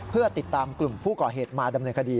เพื่อติดตามกลุ่มผู้ก่อเหตุมาดำเนินคดี